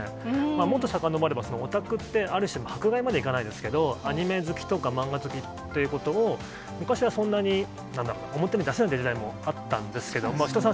もっとさかのぼれば、オタクってある種の、迫害までいかないですけど、アニメ好きとか漫画好きっていうことを、昔はそんなに表に出せない時代もあったんですけれども、後呂さん